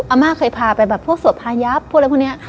อาม่าเคยพาไปแบบพวกสวดพายับพวกอะไรพวกนี้